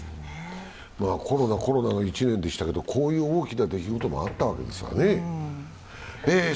コロナ、コロナの１年でしたけれども、こういう大きな出来事もあったわけですね。